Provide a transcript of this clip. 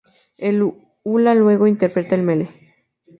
El hula luego interpreta el mele.